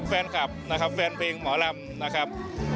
แฟนคลับนะครับแฟนเพลงหมอลำนะครับ